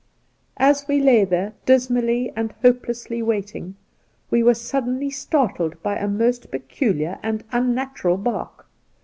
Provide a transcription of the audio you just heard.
As we lay there, dismally and hopelessly waiting, we were suddenly startled by a most peculiar and unnatural bark.